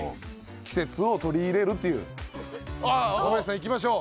若林さんいきましょう。